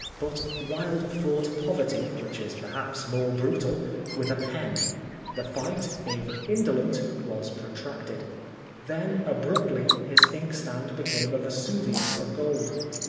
But Wilde fought poverty, which is perhaps more brutal, with a pen. The fight, if indolent, was protracted. Then, abruptly, his inkstand became a Vesuvius of gold.